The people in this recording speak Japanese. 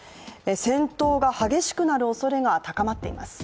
戦闘が激しくなるおそれが高まっています。